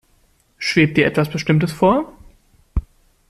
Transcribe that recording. Schwebt dir etwas Bestimmtes vor?